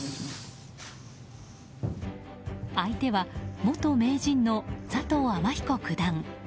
相手は、元名人の佐藤天彦九段。